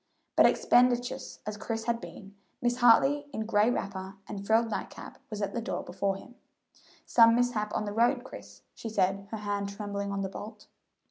But expeditious as Chris had been, Mrs. Hartley, in gray wrapper and frilled night cap, was at the door before him. "Some mishap on the road, Chris," she said, her hand trembling on the bolt.